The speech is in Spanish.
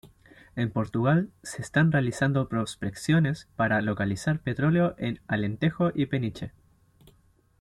En Portugal se están realizando prospecciones para localizar petróleo en Alentejo y Peniche.